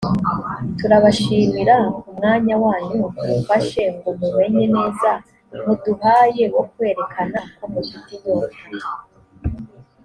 turabashimira ku mwanya wanyu mufashe ngo mumenye neza muduhaye wo kwerekana ko mufite inyota